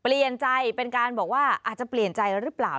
เปลี่ยนใจเป็นการบอกว่าอาจจะเปลี่ยนใจหรือเปล่า